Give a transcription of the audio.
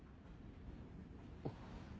あっ。